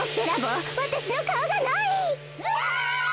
うわ！